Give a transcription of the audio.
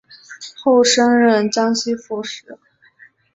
后升任江西副使。